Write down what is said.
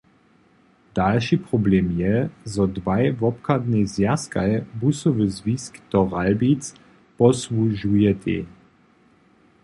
Dalši problem je, zo dwaj wobchadnej zwjazkaj busowy zwisk do Ralbic posłužujetej.